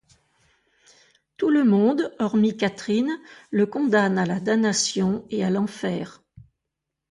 Tout le monde, hormis Catherine, le condamne à la damnation et à l'enfer.